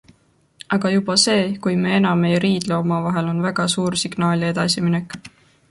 Aga juba see, kui me enam ei riidle omavahel, on väga suur signaal ja edasiminek.